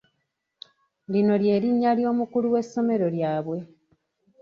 Lino ly’erinnya ly’omukulu w'essomero lyabwe.